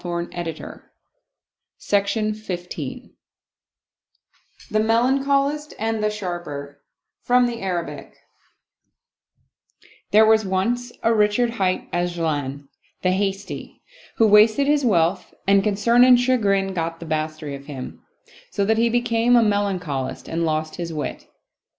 95 Oriental Mystery Stories The Melancholist and the Sharper From the Arabic 'pHERE was once a Richard hight 'Ajlan, the Hasty, who wasted his wealth, and concern and chagrin got the mastery of him, so that he became a Melancholist and lost his wit.